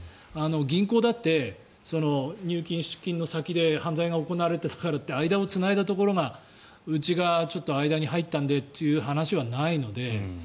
銀行だって入金、出金の先で犯罪が行われたからって間をつないだところがうちがちょっと間に入ったのでという話はないので。